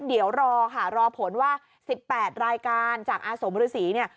เดี๋ยวรอค่ะรอผลว่า๑๘รายการจากอาสมฤษีเนี่ย